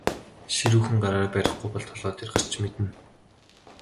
Ширүүхэн гараар барихгүй бол толгой дээр гарч мэднэ.